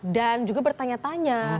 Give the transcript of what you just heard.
dan juga bertanya tanya